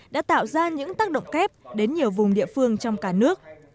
đã tạo ra những tác động kép đến nhiều vùng địa phương trong cả nước